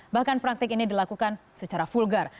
bahkan praktik ini dilakukan secara vulgar